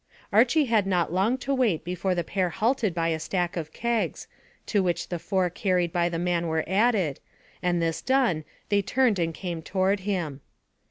Archy had not long to wait before the pair halted by the stack of kegs, to which the four carried by the man were added, and this done they turned and came toward him.